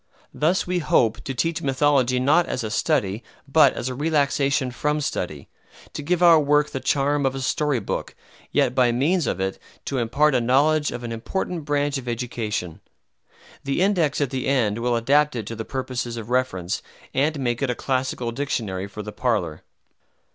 Thus we hope to teach mythology not as a study, but as a relaxation from study; to give our work the charm of a story book, yet by means of it to impart a knowledge of an important branch of education. The index at the end will adapt it to the purposes of reference, and make it a Classical Dictionary for the parlor.